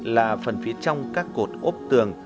là phần phía trong các cột ốp tường